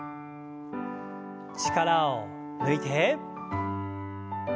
力を抜いて。